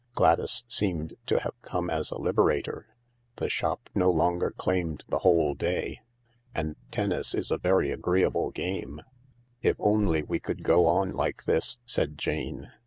Gladys seemed to have come as a liberator. The shop no longer claimed the whole day. And tennis is a very agree able game. " If only we could go on like this I " said Jane.